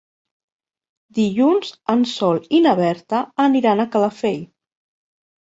Dilluns en Sol i na Berta aniran a Calafell.